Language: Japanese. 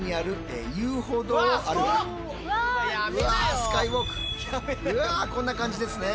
うわこんな感じですね。